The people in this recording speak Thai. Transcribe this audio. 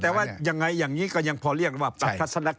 แต่ว่ายังไงอย่างนี้ก็ยังพอเรียกว่าประทัศนค